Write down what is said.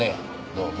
どうも。